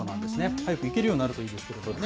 早く行けるようになるといいですね。